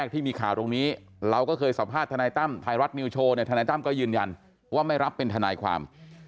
ที่มีข่าวตรงนี้เราก็เคยสัมภาษณ์ทนายตั้มไทยรัฐนิวโชว์ทนายตั้มก็ยืนยันว่าไม่รับเป็นทนายความ